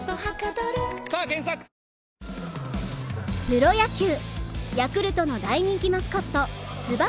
プロ野球ヤクルトの大人気マスコットつば